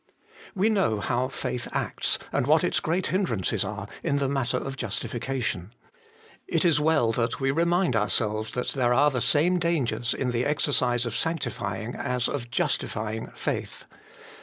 We know how faith acts, and what its great hindrances are, in the matter of justification. It is well that we remind ourselves that there are the same dangers in the exercise of sanctifying as of justifying faith.